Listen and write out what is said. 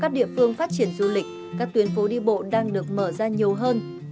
các địa phương phát triển du lịch các tuyến phố đi bộ đang được mở ra nhiều hơn